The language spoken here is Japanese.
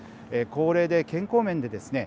高齢で健康面でですね